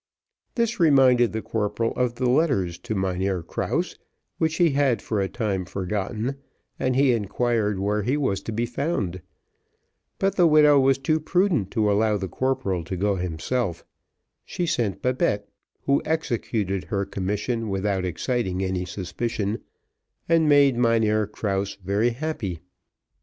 This reminded the corporal of the letters to the Mynheer Krause, which he had for a time forgotten, and he inquired where he was to be found; but the widow was too prudent to allow the corporal to go himself she sent Babette, who executed her commission without exciting any suspicion, and made Mynheer Krause very happy.